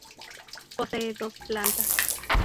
Posee dos plantas.